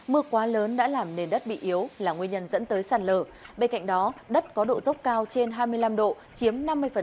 mưa quá lớn đã làm nền đất bị yếu là nguyên nhân dẫn tới sạt lở bên cạnh đó đất có độ dốc cao trên hai mươi năm độ chiếm năm mươi